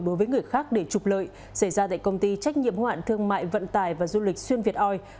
đối với người khác để trục lợi xảy ra tại công ty trách nhiệm hoạn thương mại vận tài và du lịch xuyên việt oi